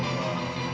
api selama sa biscuit